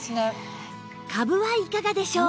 かぶはいかがでしょう？